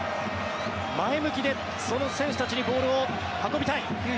前向きでその選手たちにボールを運びたい。